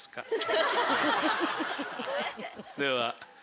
では